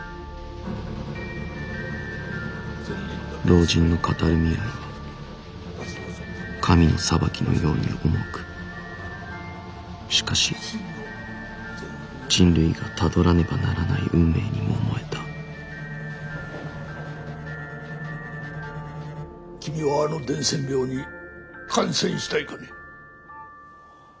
老人の語る未来は神の裁きのように重くしかし人類がたどらねばならない運命にも思えた君はあの伝染病に感染したいかね？